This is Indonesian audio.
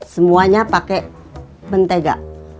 semuanya pake mentega